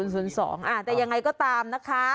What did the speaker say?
แต่ยังไงก็ตามนะคะ